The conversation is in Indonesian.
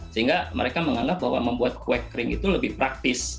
sehingga mereka menganggap bahwa membuat kue kering itu lebih praktis